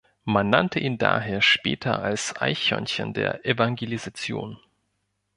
Man nannte ihn daher später als "Eichhörnchen der Evangelisation".